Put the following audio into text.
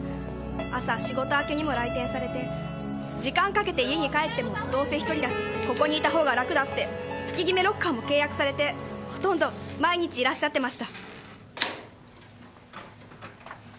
朝仕事明けにも来店されて時間かけて家に帰ってもどうせ独りだしここにいた方が楽だって月決めロッカーも契約されてほとんど毎日いらっしゃってました。